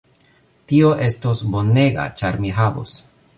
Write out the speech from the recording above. Tio estos bonega ĉar mi havos